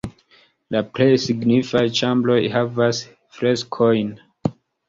La plej signifaj ĉambroj havas freskojn.